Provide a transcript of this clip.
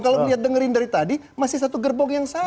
kalau dendengarin dari tadi masih satu gerbong yang sama